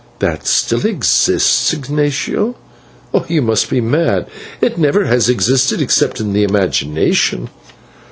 "That still exists! Ignatio, you must be mad. It never has existed except in the imagination."